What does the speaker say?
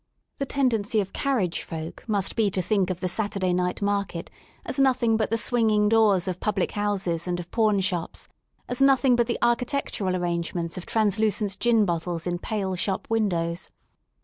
The tendency of *^ carriage folk" must be to think of the Saturday night market as nothing but the swinging doors of public houses and of pawnshops, as nothing but the architectural arrangements of translucent gin bottles in pale shop windows.